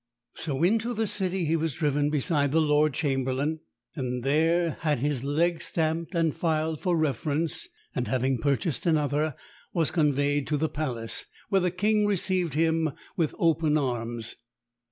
So into the city he was driven beside the Lord Chamberlain, and there had his leg stamped and filed for reference; and, having purchased another, was conveyed to the Palace, where the King received him with open arms.